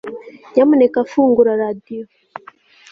Nyamuneka fungura radio